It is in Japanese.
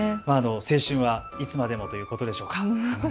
青春はいつまでも、ということでしょうか。